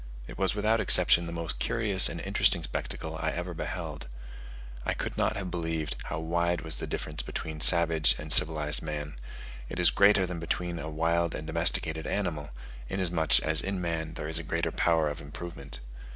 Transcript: It was without exception the most curious and interesting spectacle I ever beheld: I could not have believed how wide was the difference between savage and civilized man: it is greater than between a wild and domesticated animal, inasmuch as in man there is a greater power of improvement.